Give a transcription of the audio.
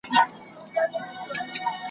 او موږ داسي ژوند وي کړی چي سي نورو ته پندونه ,